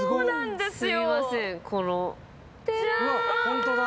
ホントだ。